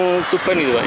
yang tuban itu pak ya